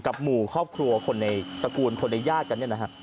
หมู่ครอบครัวคนในตระกูลคนในญาติกันเนี่ยนะฮะ